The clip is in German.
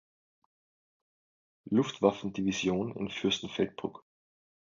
Luftwaffendivision in Fürstenfeldbruck.